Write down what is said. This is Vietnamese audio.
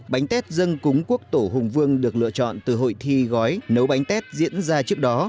bánh tết dân cúng quốc tổ hùng vương được lựa chọn từ hội thi gói nấu bánh tết diễn ra trước đó